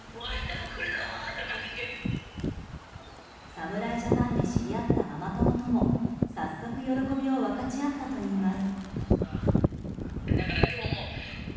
侍ジャパンで知り合ったママ友とも早速、喜びを分かち合ったといいます。